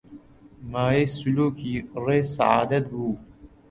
مایەی سولووکی ڕێی سەعادەت بوون